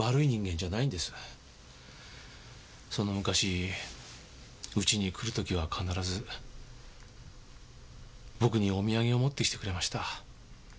その昔家に来る時は必ず僕にお土産を持ってきてくれました。